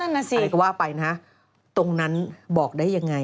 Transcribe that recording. น่ะสิอะไรก็ว่าไปนะตรงนั้นบอกได้ยังไง